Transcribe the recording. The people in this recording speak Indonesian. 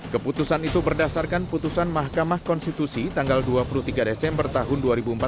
keputusan itu berdasarkan putusan mahkamah konstitusi tanggal dua puluh tiga desember tahun dua ribu empat belas